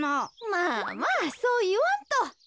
まあまあそういわんと。